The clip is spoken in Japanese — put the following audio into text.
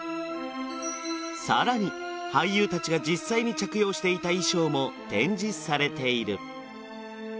さらに俳優達が実際に着用していた衣装も展示されている